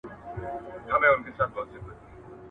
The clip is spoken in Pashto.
ایمیلونه د ده د کار لپاره ډېر مهم ښکارېدل.